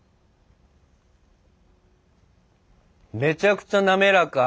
めちゃくちゃ滑らか。